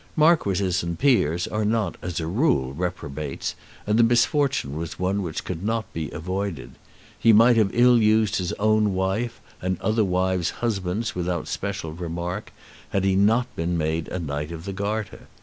Marquises and peers are not as a rule reprobates, and the misfortune was one which could not be avoided. He might have ill used his own wife and other wives' husbands without special remark, had he not been made a Knight of the Garter.